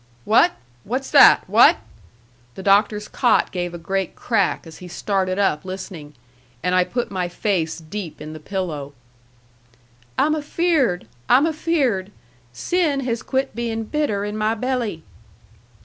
"What? What's that? What?" The Doctor's cot gave a great crack as he started up listening, and I put my face deep in the pillow. "I'm afeared! I'm afeared! Sin has quit being bitter in my belly."